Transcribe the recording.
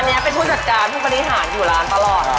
อันนี้เป็นผู้จัดการผู้บริหารอยู่ร้านตลอด